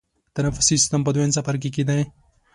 تنفسي سیستم په دویم څپرکي کې دی.